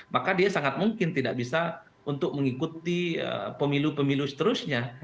maka dia sangat mungkin tidak bisa untuk mengikuti pemilu pemilu seterusnya